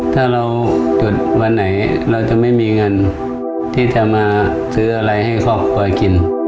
ถ้าเราจุดวันไหนเราจะไม่มีเงินที่จะมาซื้ออะไรให้ครอบครัวกิน